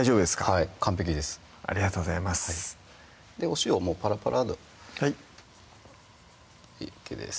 はい完璧ですありがとうございますお塩もうパラパラではいＯＫです